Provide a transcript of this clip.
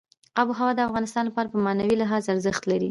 آب وهوا د افغانانو لپاره په معنوي لحاظ ارزښت لري.